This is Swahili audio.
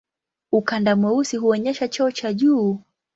Ukanda mweusi huonyesha cheo cha juu.